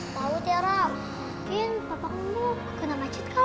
tahu tiara mungkin papa kamu kena macet kali